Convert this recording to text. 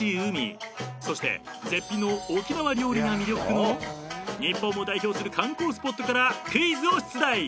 ［そして絶品の沖縄料理が魅力の日本を代表する観光スポットからクイズを出題！］